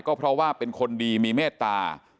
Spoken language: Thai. ก็เพราะว่าเป็นคนดีมีเมตตา